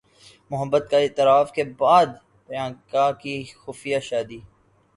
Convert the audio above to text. محبت کے اعتراف کے بعد پریانکا کی خفیہ شادی